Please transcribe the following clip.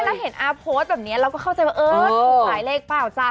แล้วเห็นอาโพสต์แบบนี้เราก็เข้าใจว่าเออถูกหมายเลขเปล่าจ๊ะ